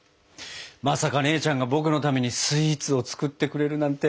まさか姉ちゃんが僕のためにスイーツを作ってくれるなんて。